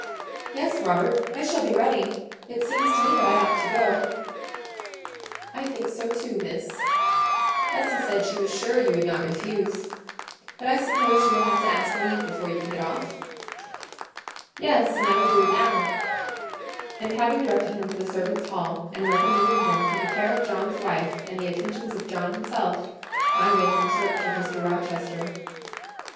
"Yes, Robert, I shall be ready: it seems to me that I ought to go." "I think so too, Miss. Bessie said she was sure you would not refuse: but I suppose you will have to ask leave before you can get off?" "Yes; and I will do it now;" and having directed him to the servants' hall, and recommended him to the care of John's wife, and the attentions of John himself, I went in search of Mr. Rochester.